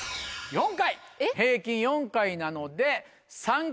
平均４回なので。